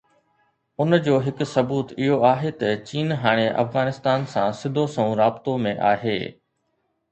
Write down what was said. ان جو هڪ ثبوت اهو آهي ته چين هاڻي افغانستان سان سڌو سنئون رابطو ۾ آهي.